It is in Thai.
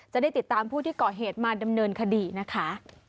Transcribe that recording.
จะได้ติดตามผู้ที่ก่อเหตุมาดำเนินคดีนะคะ